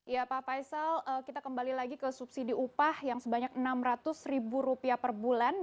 ya pak faisal kita kembali lagi ke subsidi upah yang sebanyak rp enam ratus ribu rupiah per bulan